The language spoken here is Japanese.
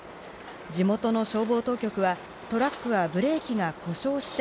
地元の消防当局はトラックはブレーキが故障して